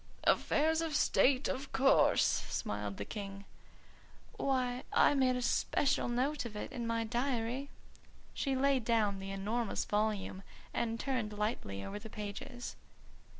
"Affairs of state, of course," smiled the King. "Why, I made a special note of it in my diary." She laid down the enormous volume and turned lightly over the pages.